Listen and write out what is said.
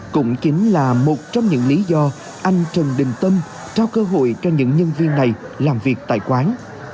cũng chính là một trong những lý do anh trần đình tâm trao cơ hội cho những nhân viên này làm việc tại quán